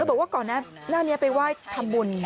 เธอบอกว่าก่อนล่านี่ไปว่ายธรรมบุญ